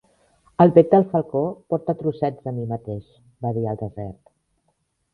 "El bec del falcó porta trossets de mi mateix", va dir el desert.